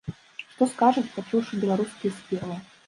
Што скажуць, пачуўшы беларускія спевы?